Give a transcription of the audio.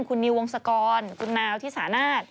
คุณนิววงศกรคุณนาวที่สานาท